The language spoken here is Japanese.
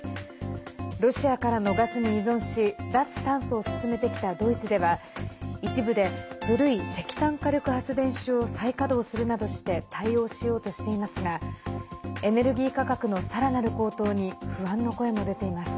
ロシアからのガスに依存し脱炭素を進めてきたドイツでは一部で、古い石炭火力発電所を再稼働するなどして対応しようとしていますがエネルギー価格のさらなる高騰に不安の声も出ています。